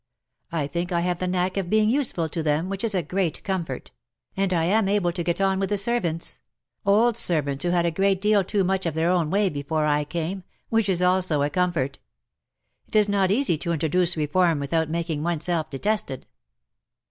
I think I have the knack of being useful to them, which is a great comfort ; and I am able to get on with the servants — old servants who had a great deal too much of their own way before I came — which is also a comfort. It is not easy to introduce reform without making oneself detested.